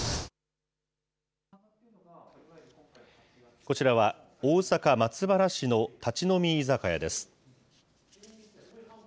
こちらは大阪・松原市の立ち飲み居酒屋です。